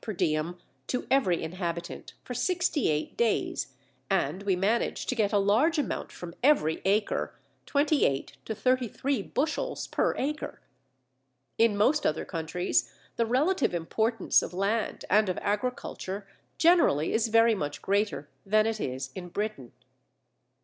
per diem to every inhabitant for 68 days, and we manage to get a large amount from every acre (28 to 33 bushels per acre). In most other countries the relative importance of land and of agriculture generally is very much greater than it is in Britain.